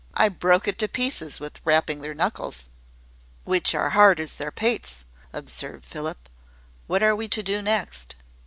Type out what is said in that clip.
I broke it to pieces with rapping their knuckles." "Which are as hard as their pates," observed Philip. "What are we to do next?"